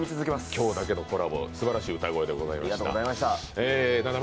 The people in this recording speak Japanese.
今日だけのコラボすばらしい歌声でございました。